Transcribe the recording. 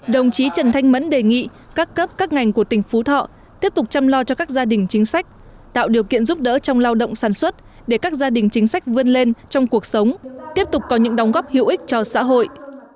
đồng chí trần thanh mẫn đề nghị các cấp các ngành của tỉnh phú thọ tiếp tục chăm lo cho các gia đình chính sách tạo điều kiện giúp đỡ trong lao động sản xuất để các gia đình chính sách vươn lên trong cuộc sống tiếp tục có những đóng góp hữu ích cho xã hội